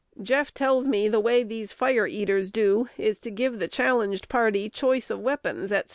Jeff tells me the way these fire eaters do is to give the challenged party choice of weapons, &c.